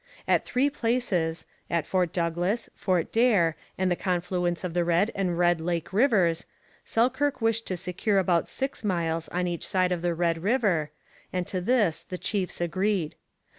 At three places at Fort Douglas, Fort Daer, and the confluence of the Red and Red Lake rivers Selkirk wished to secure about six miles on each side of the Red River, and to this the chiefs agreed.